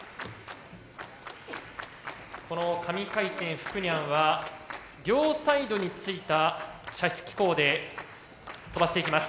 福来にゃん」は両サイドについた射出機構で飛ばしていきます。